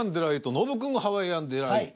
ノブくん「ハワイアンデライト」。